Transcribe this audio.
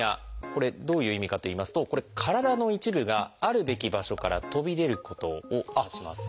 これどういう意味かといいますと体の一部があるべき場所から飛び出ることを指します。